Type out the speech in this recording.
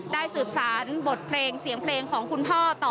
สืบสารบทเพลงเสียงเพลงของคุณพ่อต่อ